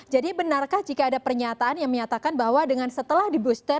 jadi benarkah jika ada pernyataan yang menyatakan bahwa dengan setelah di booster